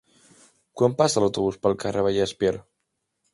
Quan passa l'autobús pel carrer Vallespir?